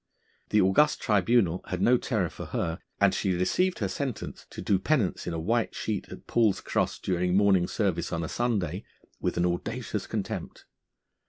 The august tribunal had no terror for her, and she received her sentence to do penance in a white sheet at Paul's Cross during morning service on a Sunday with an audacious contempt.